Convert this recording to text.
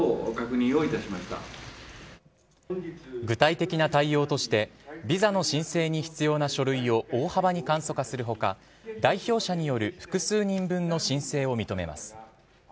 具体的な対応としてビザの申請に必要な書類を大幅に簡素化する他代表者による複数人分の申請を認めます。